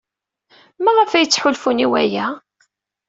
Maɣef ay ttḥulfun i waya?